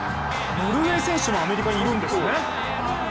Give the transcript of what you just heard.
ノルウェー選手がアメリカにもいるんですね。